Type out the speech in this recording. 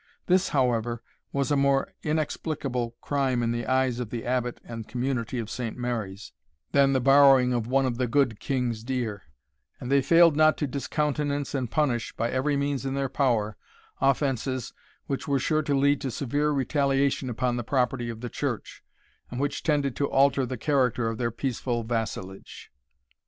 This, however, was a more inexplicable crime in the eyes of the Abbot and Community of Saint Mary's, than the borrowing one of the "gude king's deer;" and they failed not to discountenance and punish, by every means in their power, offences which were sure to lead to severe retaliation upon the property of the church, and which tended to alter the character of their peaceful vassalage.